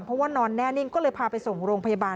เพราะว่านอนแน่นิ่งก็เลยพาไปส่งโรงพยาบาล